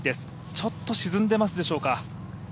ちょっと沈んでますでしょうか？